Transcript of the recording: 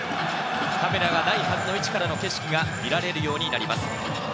カメラがないはずの位置からの景色が見られるようになります。